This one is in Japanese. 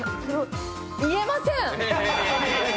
言えません。